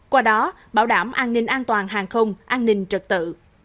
qua đó bảo đảm an ninh an toàn hàng không an ninh trật tự